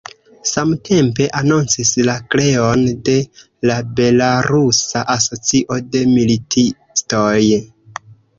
Samtempe anoncis la kreon de la belarusa asocio de militistoj.